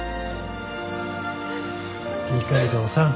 二階堂さん